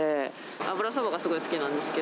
油そばがすごい好きなんです